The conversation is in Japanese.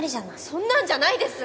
そんなんじゃないです！